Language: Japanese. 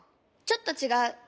ちょっとちがう。